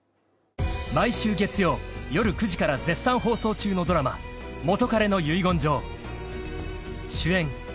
［毎週月曜夜９時から絶賛放送中のドラマ『元彼の遺言状』］